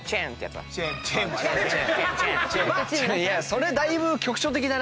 それだいぶ局所的だな。